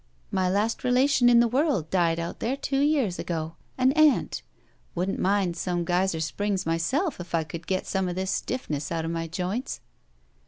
/ "My last relation in the world died out there two years ago. An aimt. Wouldn't mind some Geyser Springs myself if I could get some of this sti£Eness out of my joints."